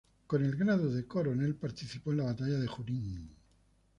Con el grado de coronel participó en la batalla de Junín.